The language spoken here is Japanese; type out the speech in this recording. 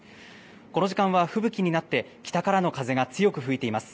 この時間は吹雪になって、北からの風が強く吹いています。